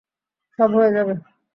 সব হয়ে যাবে।